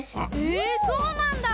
えそうなんだ。